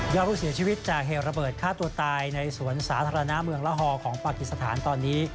ผู้เสียชีวิตจากเหตุระเบิดฆ่าตัวตายในสวนสาธารณะเมืองละฮอของปากิสถานตอนนี้